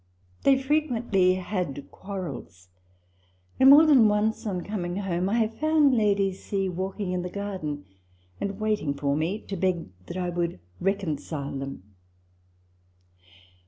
They frequently had quarrels ; and more than once, on coming home, I have found Lady C. walking in the garden,* and waiting for me, to beg that I would reconcile them.